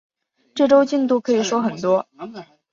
这周进度可以说很多